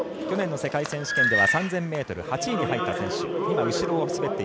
去年の世界選手権では３０００ｍ８位に入った選手。